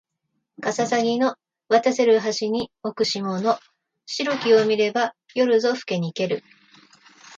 かささぎの渡せる橋に置く霜の白きを見れば夜ぞふけにける